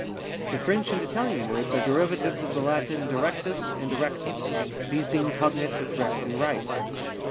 The French and Italian words arc derivatives of the Latin dircrlus and rectus, these being cognate with recht and right.